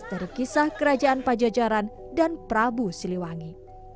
dari kisah kerajaan pajajaran dan prabu siliwangi